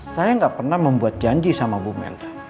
saya gak pernah membuat janji sama bu melda